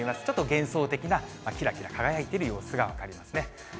ちょっと幻想的なきらきら輝いている様子が分かりますね。